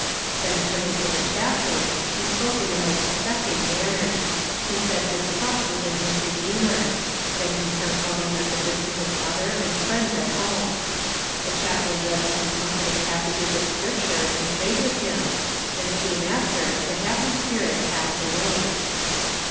Then turning to the chaplain he spoke in the most affecting manner; he said his trust was in the Redeemer; then he sent loving messages to his mother and friends at home. The chaplain read some comforting passages of Scripture and prayed with him, and soon after the happy spirit passed away.